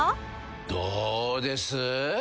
どうです？